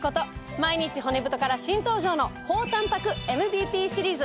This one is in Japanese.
毎日骨太から新登場の高たんぱくＭＢＰシリーズ。